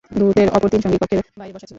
দূতের অপর তিন সঙ্গী কক্ষের বাইরে বসা ছিল।